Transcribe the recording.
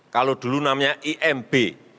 kalau dulu namanya imb